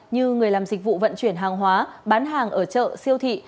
như người làm dịch vụ vận chuyển hàng hóa bán hàng ở chợ siêu thị